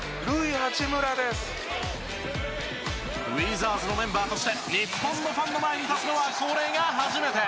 ウィザーズのメンバーとして日本のファンの前に立つのはこれが初めて。